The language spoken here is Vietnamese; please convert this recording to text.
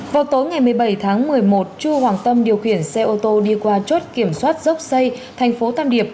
vào tối ngày một mươi bảy tháng một mươi một chu hoàng tâm điều khiển xe ô tô đi qua chốt kiểm soát dốc xây thành phố tam điệp